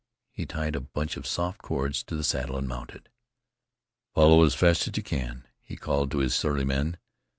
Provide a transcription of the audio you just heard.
He tied a bunch of soft cords to the saddle and mounted. "Follow as fast as you can," he called to his surly men.